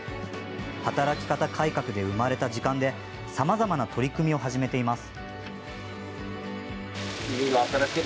働き方改革で生まれた時間でさまざまな取り組みを始めています。